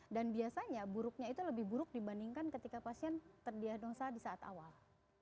dan dia akan terdiadosa di saat awal